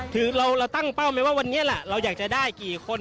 คือเราตั้งเป้าไหมว่าวันนี้แหละเราอยากจะได้กี่คน